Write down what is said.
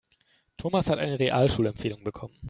Thomas hat eine Realschulempfehlung bekommen.